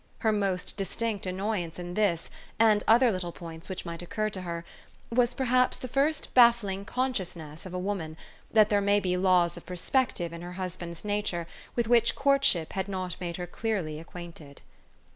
Her most distinct annoyance in this, and other little points which might occur to her, was, perhaps, the first baffling consciousness of a woman, that there may be laws of perspective in her husband's nature with which courtship had not made her clearly acquainted.